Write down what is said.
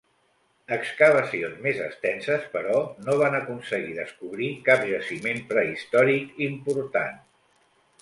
Excavacions més extenses, però, no van aconseguir descobrir cap jaciment prehistòric important.